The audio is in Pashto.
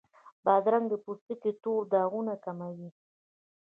بادرنګ د پوستکي تور داغونه کموي.